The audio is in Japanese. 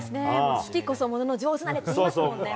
好きこそものの上手なれって言いますもんね。